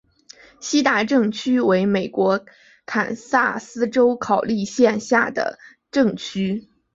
锡达镇区为美国堪萨斯州考利县辖下的镇区。